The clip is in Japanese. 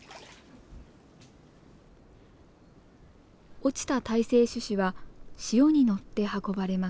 落ちた胎生種子は潮に乗って運ばれます。